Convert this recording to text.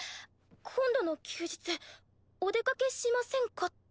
今度の休日お出かけしませんかって。